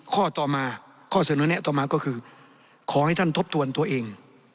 ข้อต่อมาข้อเสนอแนะต่อมาก็คือขอให้ท่านทบทวนตัวเอง